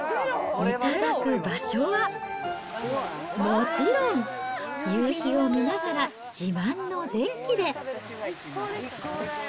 頂く場所は、もちろん、夕日を見ながら、自慢のデッキで。